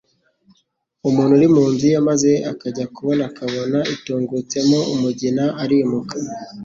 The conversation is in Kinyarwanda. Umuntu uri mu nzu ye maze akajya kubona akabona itungutsemo umugina, arimuka,